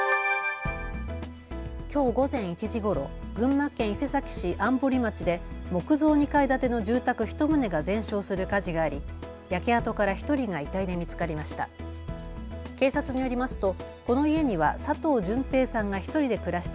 きょう午前１時ごろ、群馬県伊勢崎市安堀町で木造２階建ての住宅１棟が全焼する火事があり焼け跡から１人が遺体で見つかりました。